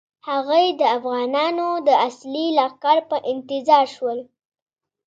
هغوی د افغانانو د اصلي لښکر په انتظار شول.